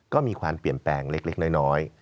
ก็มีความเปลี่ยนแปลงเล็กน้อย